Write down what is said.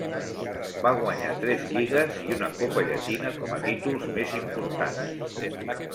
Va guanyar tres lligues i una Copa Llatina com a títols més importants.